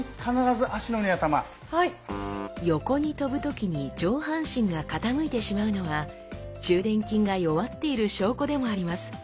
横に跳ぶ時に上半身が傾いてしまうのは中臀筋が弱っている証拠でもあります。